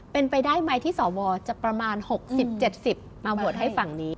เป็นไปได้ไหมที่สวจะประมาณ๖๐๗๐มาโหวตให้ฝั่งนี้